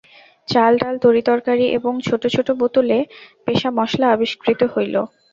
চাল-ডাল, তরি-তরকারি এবং ছোটো ছোটো বোতলে পেষা মশলা আবিষ্কৃত হইল।